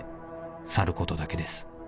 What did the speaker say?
「去ることだけです」